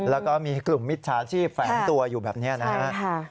แล้วก็มีกลุ่มมิตรสาธิบแฝนตัวอยู่แบบนี้นะคะ